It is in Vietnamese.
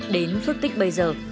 đến phước tích bây giờ